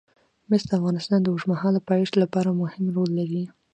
مس د افغانستان د اوږدمهاله پایښت لپاره مهم رول لري.